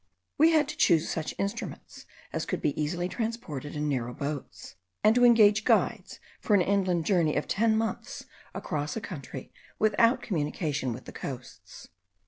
We had to choose such instruments as could be most easily transported in narrow boats; and to engage guides for an inland journey of ten months, across a country without communication with the coasts.